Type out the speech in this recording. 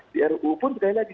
di ru pun sekali lagi